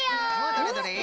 どれどれ？